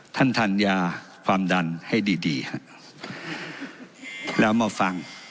ท่านทานยาความดันให้ดีดีฮะแล้วมาฟัง